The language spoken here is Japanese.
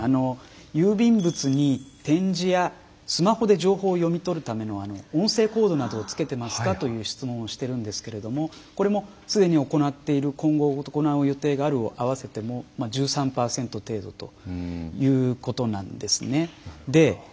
郵便物に点字やスマホで情報を読み取るための音声コードなどをつけてますかという質問をしているんですけれどこれもすでに行っている今後行う予定があるを合わせても１３％程度ということなんですね。